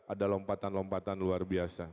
ada lompatan lompatan luar biasa